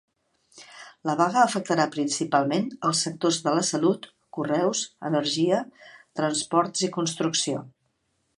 La vaga afectarà principalment els sectors de la salut, correus, energia, transports i construcció.